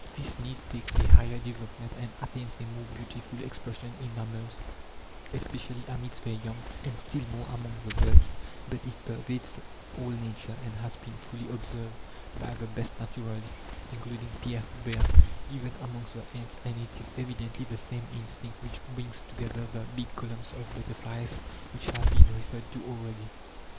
This need takes a higher development and attains a more beautiful expression in mammals, especially amidst their young, and still more among the birds; but it pervades all Nature, and has been fully observed by the best naturalists, including Pierre Huber, even amongst the ants, and it is evidently the same instinct which brings together the big columns of butterflies which have been referred to already.